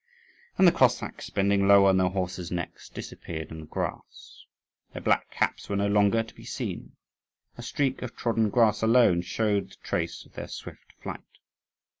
And the Cossacks, bending low on their horses' necks, disappeared in the grass. Their black caps were no longer to be seen; a streak of trodden grass alone showed the trace of their swift flight.